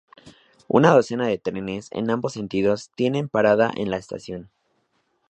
Una docena de trenes, en ambos sentidos, tienen parada en la estación.